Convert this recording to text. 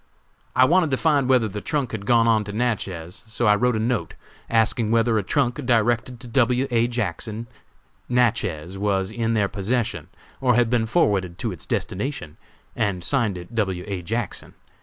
"I wanted to find whether the trunk had gone on to Natchez, so I wrote a note, asking whether a trunk directed to W. A. Jackson, Natchez, was in their possession or had been forwarded to its destination, and signed it W. A. Jackson.